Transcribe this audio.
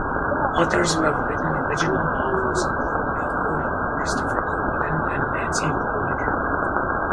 Authors who have written original novels include Mel Odom, Christopher Golden, and Nancy Holder.